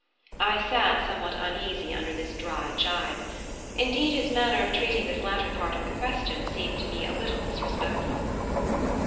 I sat somewhat uneasy under this dry gibe. Indeed, his manner of treating this latter part of the question seemed to me a little disrespectful.